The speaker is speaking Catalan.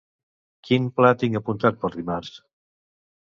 Quin pla tinc apuntat per dimarts?